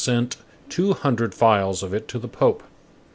sent two hundred phials of it to the Pope."